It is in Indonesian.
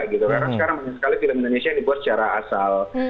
karena sekarang banyak sekali film indonesia yang dibuat secara asal